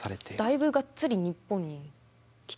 だいぶがっつり日本に来てますよね。